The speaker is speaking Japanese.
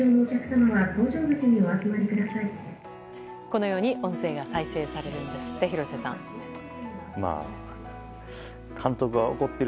このように音声が再生されるんですって。